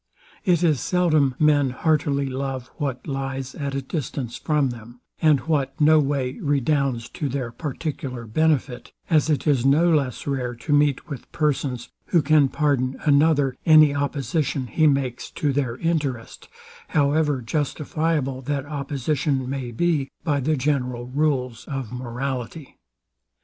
It is seldom men heartily love what lies at a distance from them, and what no way redounds to their particular benefit; as it is no less rare to meet with persons, who can pardon another any opposition he makes to their interest, however justifiable that opposition may be by the general rules of morality.